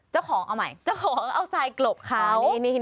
เจ้าของเอาใหม่เจ้าของเอาทรายกลบเขา